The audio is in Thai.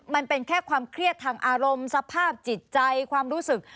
มันเป็นแค่ความเครียดทางอารมณ์สภาพจิตใจความรู้สึก